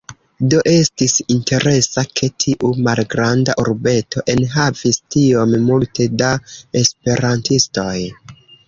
Do, estis interesa, ke tiu malgranda urbeto enhavis tiom multe da Esperantistoj.